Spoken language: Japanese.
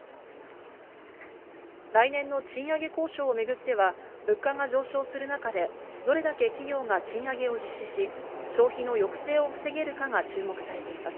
来年の賃上げ交渉を巡っては、物価が上昇する中で、どれだけ企業が賃上げを実施し、消費の抑制を防げるかが注目されています。